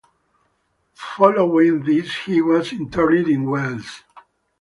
Following this he was interned in Wales.